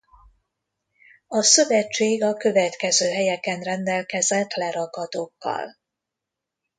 A szövetség a következő helyeken rendelkezett lerakatokkal.